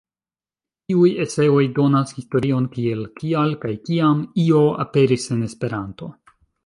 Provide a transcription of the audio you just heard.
Iuj eseoj donas historion kiel, kial, kaj kiam "-io" aperis en Esperanto.